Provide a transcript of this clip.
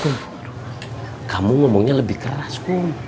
ketua kamu ngomongnya lebih kerasikum